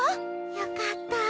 よかった。